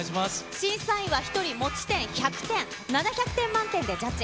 審査員は１人持ち点１００点、７００点満点でジャッジ。